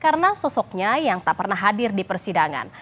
karena sosoknya yang tak pernah hadir di persidangan